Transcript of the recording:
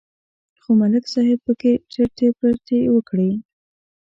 خو ملک صاحب پکې ټرتې پرتې وکړې